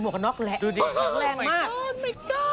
บวกกันน็อกแหละแข็งแรงมาก